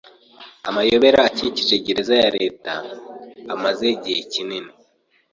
Amayobera akikije gereza ya leta imaze igihe kinini